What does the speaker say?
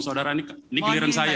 saudara ini giliran saya